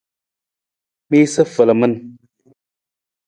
Miisa falaman.